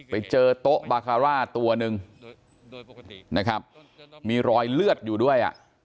ไปเจอโต๊ะบาคาร่าตัวหนึ่งนะครับมีรอยเลือดอยู่ด้วยอ่ะ